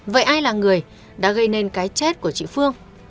vậy ai là người đã gây nên cái chết của chị phương